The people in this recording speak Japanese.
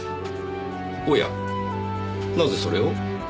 おやなぜそれを？